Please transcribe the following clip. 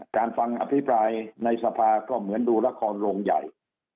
การฟังอภิปรายในสภาก็เหมือนดูละครโรงใหญ่